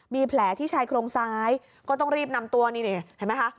มีแผลที่ชายโครงซ้ายก็ต้องรีบนำตัวนี่เห็นไหมคะ